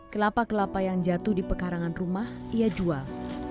kelapa kelapa yang jatuh di pekarangan rumah ia jual